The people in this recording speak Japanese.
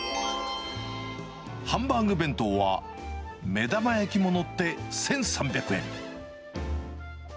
ハンバーグ弁当は、目玉焼きも載って１３００円。